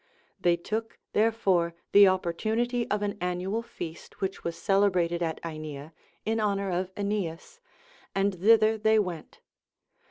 They took, therefore, the opportunity of an annual feast which was celebrated at AEnia in honour of AEneas, and thither they went.